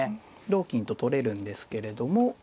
同金と取れるんですけれども。